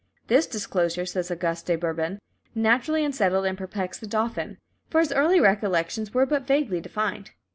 "This disclosure," says "Auguste de Bourbon," "naturally unsettled and perplexed the dauphin, for his early recollections were but vaguely defined."